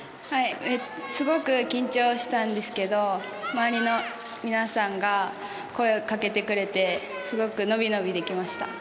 すごく緊張したんですけれど、周りの皆さんが声をかけてくれて、のびのびできました。